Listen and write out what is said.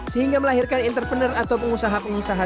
sehingga melahirkan entrepreneur atau pengusaha pengusaha